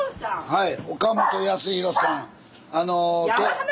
はい。